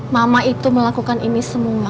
mama itu melakukan ini semua